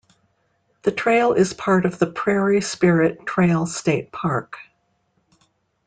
The trail is part of the Prairie Spirit Trail State Park.